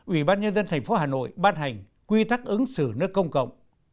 ủy ban nhân dân thành phố hà nội ban hành quy tắc ứng xử nước công cộng